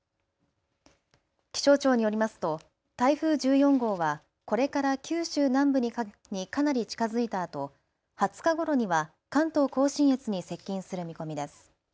気象庁によりますと台風１４号はこれから九州南部にかなり近づいたあと、２０日ごろには関東甲信越に接近する見込みです。